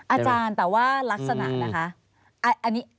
อาจารย์แต่ว่ารักษณะนะคะ